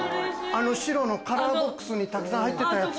あの白のカラーボックスにたくさん入ってたやつだ。